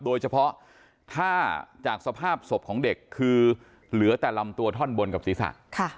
โดยเฉพาะถ้าจากสภาพศพของเด็กคือเหลือแต่ลำตัวท่อนบนกับศีรษะ